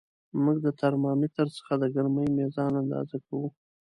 موږ د ترمامتر څخه د ګرمۍ میزان اندازه کوو.